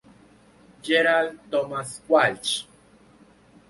Gerald Thomas Walsh.